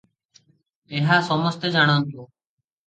ଏହା ସମସ୍ତେ ଜାଣନ୍ତୁ ।